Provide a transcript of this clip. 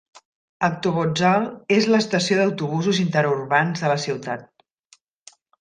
Avtovokzal és l'estació d'autobusos interurbans de la ciutat.